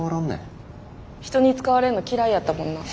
人に使われんの嫌いやったもんな。